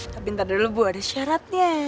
tapi ntar dulu bu ada syaratnya